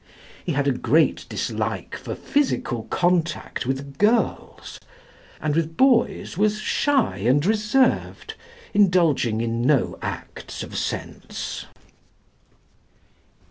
He had a great dislike for physical contact with girls; and with boys was shy and reserved, indulging in no acts of sense.